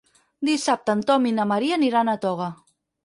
Dissabte en Tom i na Maria aniran a Toga.